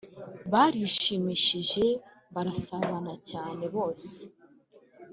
Barishimishije barasabana cyane bose